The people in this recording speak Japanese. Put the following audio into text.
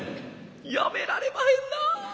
やめられまへんな。